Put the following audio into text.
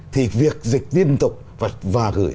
thì việc dịch tiên tục và gửi